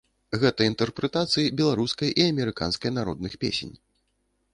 Гэта інтэрпрэтацыі беларускай і амерыканскай народных песень.